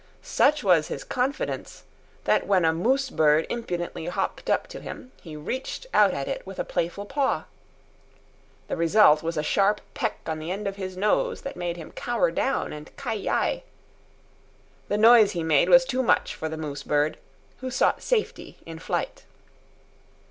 Such was his confidence, that when a moose bird impudently hopped up to him, he reached out at it with a playful paw. The result was a sharp peck on the end of his nose that made him cower down and ki yi. The noise he made was too much for the moose bird, who sought safety in flight.